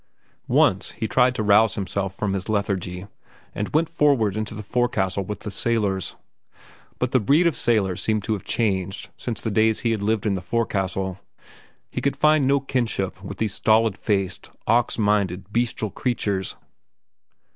Once, he tried to arouse himself from his lethargy, and went forward into the forecastle with the sailors. But the breed of sailors seemed to have changed since the days he had lived in the forecastle. He could find no kinship with these stolid faced, ox minded bestial creatures.